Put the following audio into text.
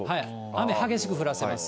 雨、激しく降らせます。